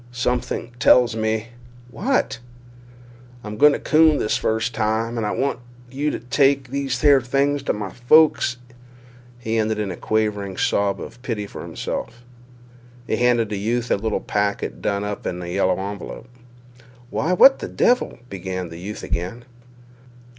"Something tells me—" "What?" "I'm a gone coon this first time and—and I w want you to take these here things—to—my—folks." He ended in a quavering sob of pity for himself. He handed the youth a little packet done up in a yellow envelope. "Why, what the devil—" began the youth again.